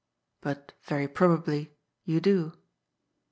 But, yery probably, you do.